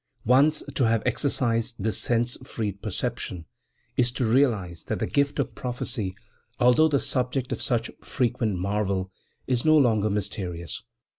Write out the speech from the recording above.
Once to have exercised this sense freed perception is to realize that the gift of prophecy, although the subject of such frequent marvel, is no longer mysterious.